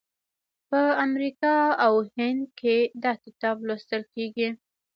په امریکا او هند کې دا کتاب لوستل کیږي.